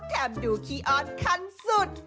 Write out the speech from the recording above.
แถมดูคียอตคันสุด